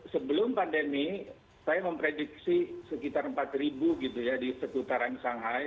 sebelum pandemi saya memprediksi sekitar empat ribu gitu ya di seputaran shanghai